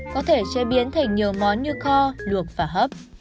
có thể chế biến thành nhiều món như kho luộc và hấp